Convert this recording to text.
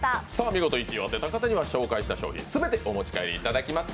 見事１位を当てた方には紹介した商品全てお持ち帰りいただきます。